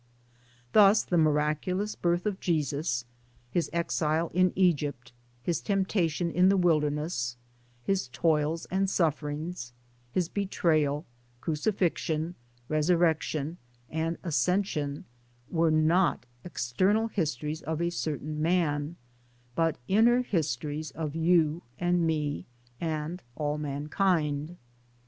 Thus the miraculous PERSONALITIES 24 1 birth of Jesus, his exile in Egypt, his temptation in the wilderness, his toils arid sufferings, his Betrayal, Crucifixion, Resurrection and Ascension were not ex ternal histories of a certain man, but inner histories of you and me and all mankind.